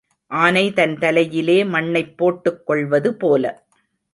ஆனை தன் தலையிலே மண்ணைப் போட்டுக் கொள்வது போல.